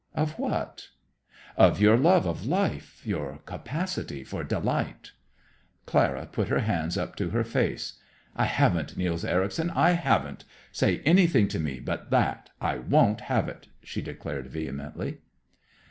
"Of what?" "Of your love of life, your capacity for delight." Clara put her hands up to her face. "I haven't, Nils Ericson, I haven't! Say anything to me but that. I won't have it!" she declared vehemently.